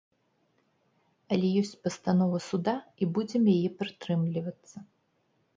Але ёсць пастанова суда, і будзем яе прытрымлівацца.